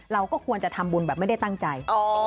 เราก็ควรจะทำบุญแบบไม่ได้ตั้งใจ